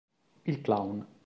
Il clown